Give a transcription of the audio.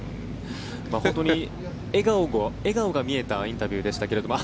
本当に笑顔が見えたインタビューでしたけども。